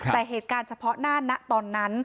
แต่เหตุการณ์เฉพาะหน้าณตอนนั้น